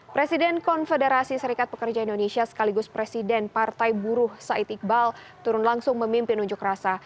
presiden konfederasi serikat pekerja indonesia sekaligus presiden partai buruh said iqbal turun langsung memimpin unjuk rasa